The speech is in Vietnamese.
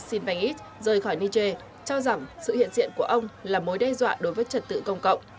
sinbanit rời khỏi niger cho rằng sự hiện diện của ông là mối đe dọa đối với trật tự công cộng